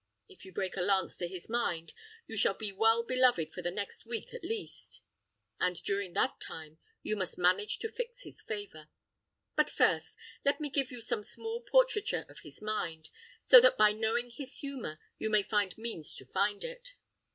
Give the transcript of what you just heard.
If you break a lance to his mind, you shall be well beloved for the next week at least; and during that time you must manage to fix his favour. But first, let me give you some small portraiture of his mind, so that by knowing his humour, you may find means to find it."